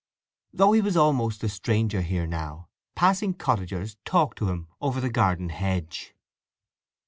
Though he was almost a stranger here now, passing cottagers talked to him over the garden hedge.